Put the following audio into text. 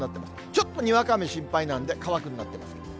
ちょっとにわか雨心配なんで、乾くになってます。